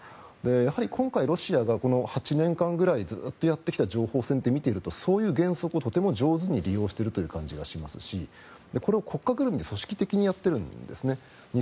やはり今回、ロシアがこの８年間ぐらいずっとやってきた情報戦って見ているとそういう原則をとても上手に利用しているという感じがしますしこれを国家ぐるみで組織的にやっているんですね。